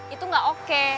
itu gak oke